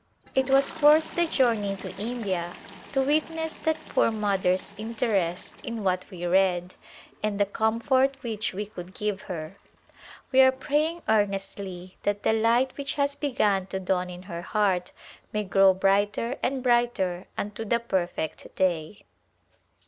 It was worth the journey to India to witness that poor mother's interest in what we read and the comfort which we could give her. We are praying earnestly that the light which has begun to dawn in her heart may grow brighter and brighter unto the perfect day.